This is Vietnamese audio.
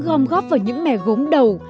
gom góp vào những mẻ gốm đầu